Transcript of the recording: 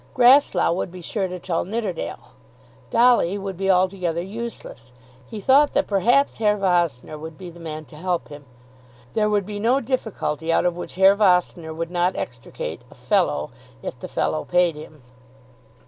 Grasslough would be sure to tell Nidderdale. Dolly would be altogether useless. He thought that, perhaps, Herr Vossner would be the man to help him. There would be no difficulty out of which Herr Vossner would not extricate "a fellow," if "the fellow" paid him.